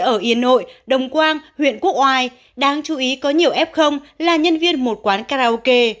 ở yên nội đồng quang huyện quốc oai đáng chú ý có nhiều f là nhân viên một quán karaoke